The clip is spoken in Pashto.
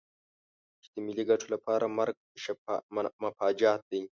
چې د ملي ګټو لپاره مرګ مفاجات دی.